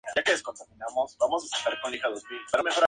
Es el hijo de Bill Berry, que fue entrenador de baloncesto.